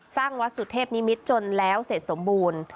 สร้างวัดสุเทพนิมิตรจนแล้วเสร็จสมบูรณ์